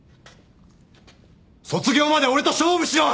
卒業まで俺と勝負しろ！